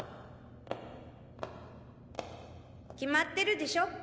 決まってるでしょ。